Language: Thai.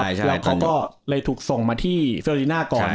แล้วเขาก็เลยถูกส่งมาที่เซอริน่าก่อน